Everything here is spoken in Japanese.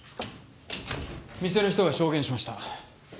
店の人が証言しました。